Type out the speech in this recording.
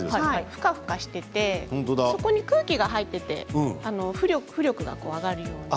ふかふかしていてそこに空気が入っていて浮力があります。